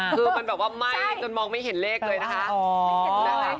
คือมันแบบว่าไหม้จนมองไม่เห็นเลขเลยนะคะ